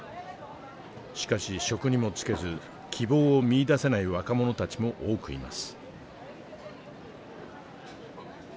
しかし職にも就けず希望を見いだせない若者たちも多くいます。